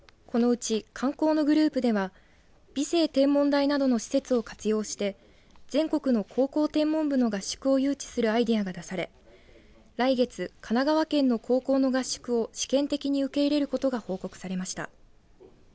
このうち観光のグループでは美星天文台などの施設を活用して全国の高校天文部の合宿を誘致するアイデアが出され来月、神奈川県の高校の合宿を試験的に受け入れることが報告されました。